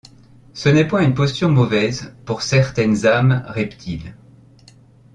Ce n’est point une posture mauvaise pour de certaines âmes reptiles.